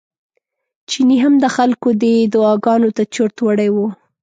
چيني هم د خلکو دې دعاګانو ته چورت وړی و.